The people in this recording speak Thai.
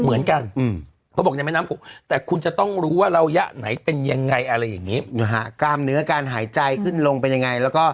เหมือนกันเพราะบอกแม่น้ำของ